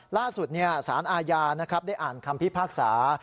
ล่าสุดสารอาญาได้อ่านคำพิพากษา